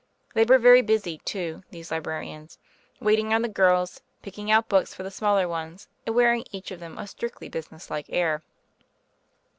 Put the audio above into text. They were very busy, too — these librarians — waiting on the girls, picking out books for the smaller ones, and wearing, each of them, a strictly businesslike air.